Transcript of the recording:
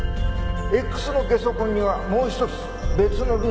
Ｘのゲソ痕にはもう一つ別のルートがある。